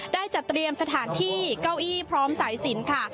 ได้จัดเตรียมสถานที่เก้าอี้พร้อมสายสินค่ะ